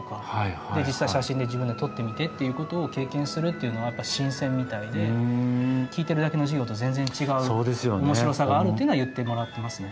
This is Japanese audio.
で実際写真で自分で撮ってみてっていうことを経験するっていうのはやっぱ新鮮みたいで聞いてるだけの授業と全然違う面白さがあるっていうのは言ってもらってますね。